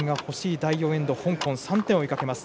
第４エンド香港、３点を追いかけます。